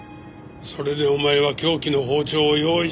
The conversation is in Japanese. それでお前は凶器の包丁を用意した。